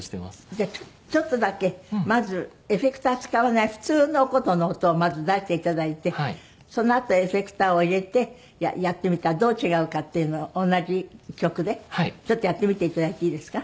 じゃあちょっとだけまずエフェクター使わない普通のお箏の音をまず出していただいてそのあとエフェクターを入れてやってみたらどう違うかっていうのを同じ曲でちょっとやってみていただいていいですか？